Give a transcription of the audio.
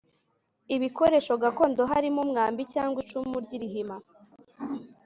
Ibikoresho gakondo harimo umwambi cyangwa icumu ry’ irihima